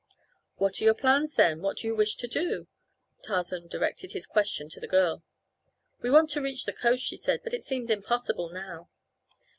"What are your plans, then? What do you wish to do?" Tarzan directed his question to the girl. "We want to reach the coast," she said, "but it seems impossible now."